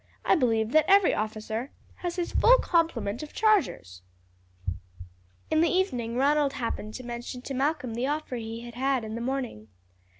I believe that every officer has his full complement of chargers." In the evening Ronald happened to mention to Malcolm the offer he had had in the morning.